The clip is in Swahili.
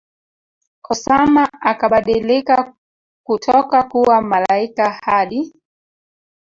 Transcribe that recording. Osama akabadilika kutoka kuwa malaika Hadi